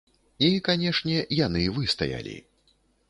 І, канешне, яны выстаялі.